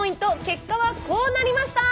結果はこうなりました！